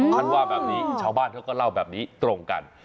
ท่านว่าแบบนี้ชาวบ้านเขาก็เล่าแบบนี้ตรงกัน